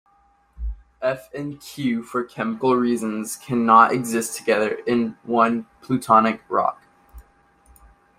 F and Q for chemical reasons can not exist together in one plutonic rock.